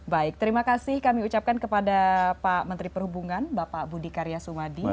baik terima kasih kami ucapkan kepada pak menteri perhubungan bapak budi karya sumadi